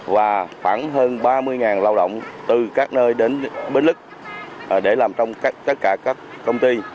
và khoảng hơn ba mươi lao động từ các nơi đến bến lức để làm trong tất cả các công ty